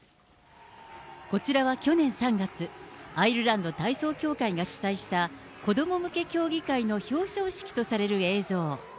こちらは去年３月、アイルランド体操協会が主催した、子ども向け競技会の表彰式とされる映像。